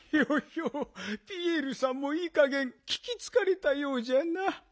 ヒョヒョピエールさんもいいかげんききつかれたようじゃな。